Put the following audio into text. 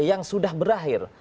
yang sudah berakhir